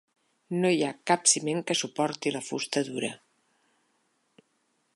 No hi ha cap ciment que suporti la fusta dura.